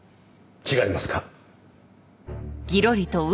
違いますか？